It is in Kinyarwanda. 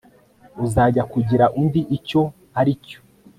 uzajya kugira undi icyo aricyo